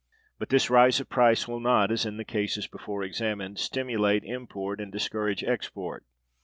But this rise of price will not, as in the cases before examined, stimulate import and discourage export.